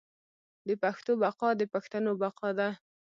د پښتو بقا د پښتنو بقا ده.